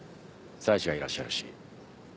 妻子がいらっしゃるし。